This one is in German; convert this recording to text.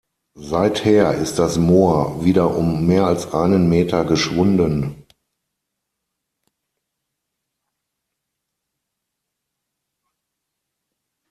Seither ist das Moor wieder um mehr als einen Meter geschwunden.